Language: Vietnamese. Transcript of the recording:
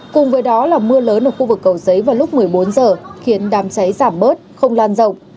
cùng với đó là mưa lớn ở khu vực cầu giấy vào lúc một mươi bốn h khiến đám cháy giảm bớt không lan rộng